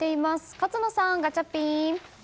勝野さん、ガチャピン。